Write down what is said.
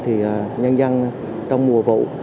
thì nhân dân trong mùa vụ